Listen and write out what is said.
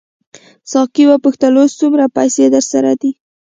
ساقي وپوښتل اوس څومره پیسې درسره دي.